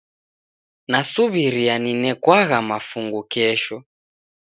Nasuw'iria ninekwagha mafungu kesho.